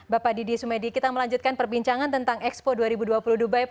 bapak didi sumedi kita melanjutkan perbincangan tentang expo dua ribu dua puluh dubai